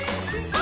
あ！